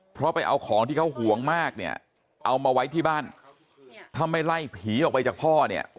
เพราะไปเอาของที่เขาห่วงมากเนี่ยเอามาไว้ที่บ้านถ้าไม่ไล่ผีออกไปจากพ่อเนี่ย